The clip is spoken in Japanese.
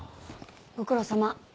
ご苦労さま。